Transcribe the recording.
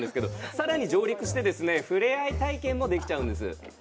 さらに、島に上陸して、ふれあい体験もできちゃうんです！